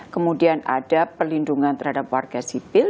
kemudian ada pelindungan terhadap warga sipil